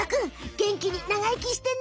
元気にながいきしてね！